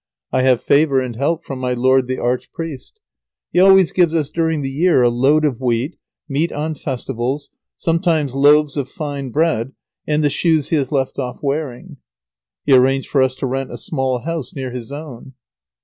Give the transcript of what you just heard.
I have favour and help from my lord the Archpriest. He always gives us during the year a load of wheat, meat on festivals, sometimes loaves of fine bread, and the shoes he has left off wearing. He arranged for us to rent a small house near his own.